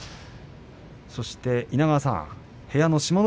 そして稲川さん部屋の志摩ノ